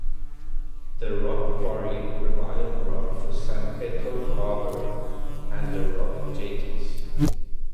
The rock quarry provided rock for San Pedro Harbor and the rock jetties.